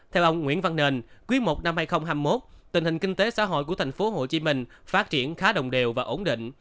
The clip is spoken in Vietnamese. theo ông nguyễn văn nền quý i năm hai nghìn hai mươi một tình hình kinh tế xã hội của tp hcm phát triển khá đồng đều và ổn định